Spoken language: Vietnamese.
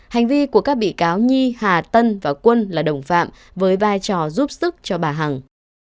hành vi của các bị cáo nhi hà tân và quân là đồng phạm với vai trò giúp sức cho bà hằng